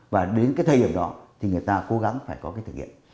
và đến cái thời điểm đó thì người ta cố gắng phải có cái thực hiện